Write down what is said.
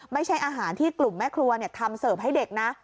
ไม่ใช่อาหารที่กลุ่มแม่ครัวทำเสิร์ฟให้เด็กนะ